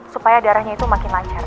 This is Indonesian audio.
supaya darahnya itu makin lancar